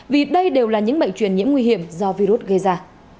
vì đây đều là những bệnh truyền nhiễm nguy hiểm do virus gây ra